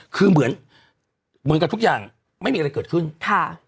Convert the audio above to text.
คือเหมือนเหมือนกับทุกอย่างไม่มีอะไรเกิดขึ้นค่ะ